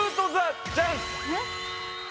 えっ？